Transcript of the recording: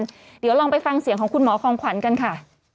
เดี๋ยวลองไปฟังเสียงของคุณหมอของขวัญกันค่ะ